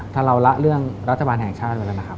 ถ้าเราละเรื่องรัฐบาลแห่งชาติอยู่แล้วนะครับ